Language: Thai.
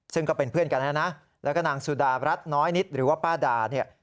ซึ่งก็เป็นเพื่อนกันนะนะแล้วก็นางสุดารัฐน้อยนิดหรือว่าป้าดาเนี่ย